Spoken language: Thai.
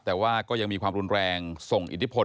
แต่ว่าก็ยังมีความรุนแรงส่งอิทธิพล